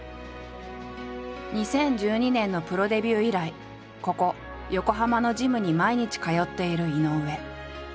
２０１２年のプロデビュー以来ここ横浜のジムに毎日通っている井上。